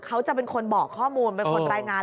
เขาจะเป็นคนบอกข้อมูลเป็นคนรายงาน